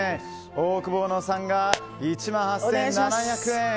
オオクボーノさんが１万８７００円。